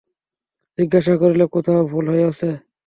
জিজ্ঞাসা করিল, কোথাও ভুল হইয়াছে?